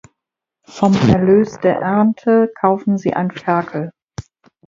Vom Erlös der Ernte kaufen sie ein Ferkel.